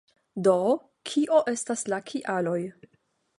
Do, kio estas la kialoj